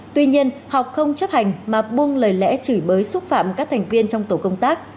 tuy nhiên học không chấp hành mà buông lời lẽ chửi bới xúc phạm các thành viên trong tổ công tác